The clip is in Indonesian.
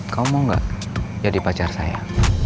kamu mau gak jadi pacar saya